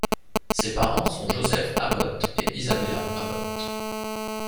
Ses parents sont Joseph Abbott et Isabella Abbott.